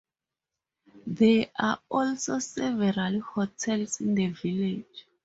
There are also several hotels in the village.